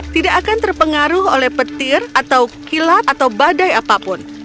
tidak akan terpengaruh oleh petir atau kilat atau badai apapun